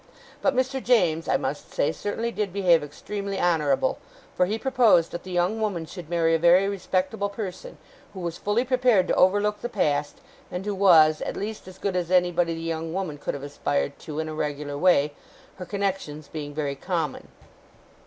But Mr. James, I must say, certainly did behave extremely honourable; for he proposed that the young woman should marry a very respectable person, who was fully prepared to overlook the past, and who was, at least, as good as anybody the young woman could have aspired to in a regular way: her connexions being very common.